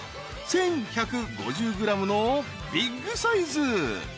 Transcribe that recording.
［１，１５０ｇのビッグサイズ］